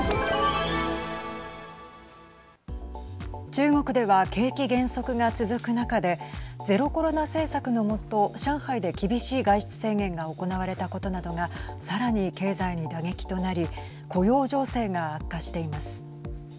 中国では景気減速が続く中でゼロコロナ政策の下上海で厳しい外出制限が行われたことなどがさらに経済に打撃となり雇用情勢が悪化しています。